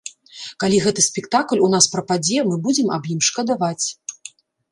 Калі гэты спектакль у нас прападзе, мы будзем аб ім шкадаваць.